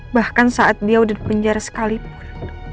bahkan saat dia udah di penjara sekalipun